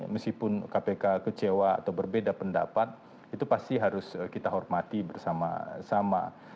meskipun kpk kecewa atau berbeda pendapat itu pasti harus kita hormati bersama sama